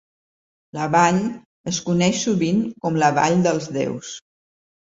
La vall es coneix sovint com la "Vall dels Déus".